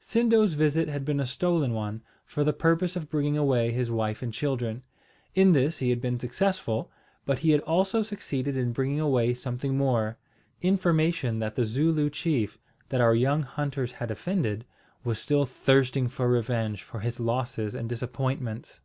Sindo's visit had been a stolen one, for the purpose of bringing away his wife and children. In this he had been successful; but he had also succeeded in bringing away something more, information that the Zooloo chief, that our young hunters had offended, was still thirsting for revenge for his losses and disappointments.